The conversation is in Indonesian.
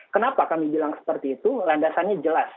kenapa kami bilang seperti itu landasannya jelas